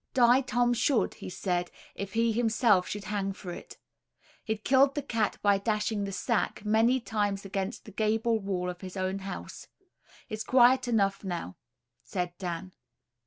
Die Tom should, he said, if he himself should hang for it. He "kill'd" the cat by dashing the sack, many times against the gable wall of his own house. "He's quiet enough now," said Dan.